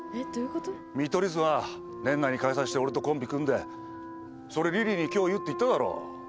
見取り図は年内に解散して俺とコンビ組んでそれリリーに今日言うって言っただろう。